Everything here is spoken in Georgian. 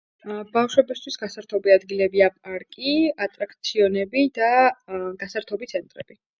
ეე... ბავშვებისთვის გასართობი ადგილებია პარკი, ატრაქციონები და... აა... გასართობი ცენტრები.